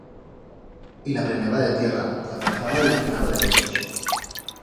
Y la preneba de tierra, la abrazaba y la aplenaba de besos.